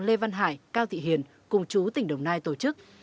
lê văn hải cao thị hiền cùng chú tỉnh đồng nai tổ chức